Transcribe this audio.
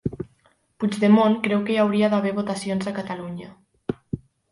Puigdemont creu que hi hauria d'haver votacions a Catalunya